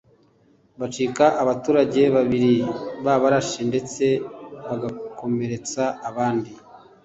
bakica abaturage babiri babarashe ndetse bagakomeretsa abandi